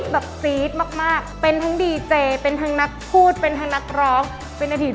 แบบมากมากเป็นทั้งเป็นทางนักพูดเป็นทางนักร้องเป็นอาทิตย์